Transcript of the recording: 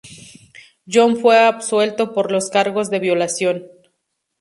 John fue absuelto por los cargos de violación.